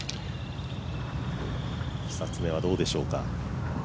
久常はどうでしょうか。